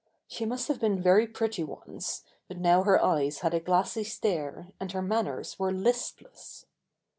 She must have been very pretty once but now her eyes had a glassy stare and her manners were listless.